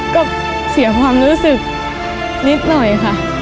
ก็เสียความรู้สึกนิดหน่อยค่ะ